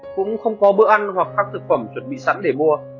cũng không có bữa ăn hoặc các thực phẩm chuẩn bị sẵn để mua